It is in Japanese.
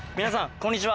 こんにちは。